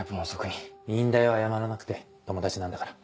いいんだよ謝らなくて友達なんだから。